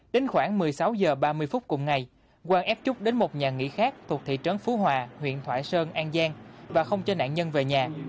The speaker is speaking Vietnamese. đến khoảng một mươi sáu h ba mươi phút cùng ngày quang ép chúc đến một nhà nghỉ khác thuộc thị trấn phú hòa huyện thoại sơn an giang và không cho nạn nhân về nhà